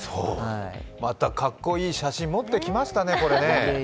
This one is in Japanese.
また格好いい写真持ってきましたね、これね。